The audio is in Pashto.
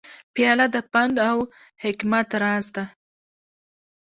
پیاله د پند و حکمت راز ده.